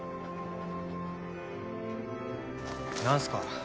何すか？